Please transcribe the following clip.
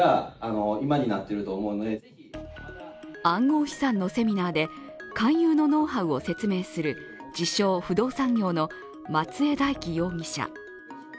暗号資産のセミナーで勧誘のノウハウを説明する自称・不動産業の松江大樹容疑者。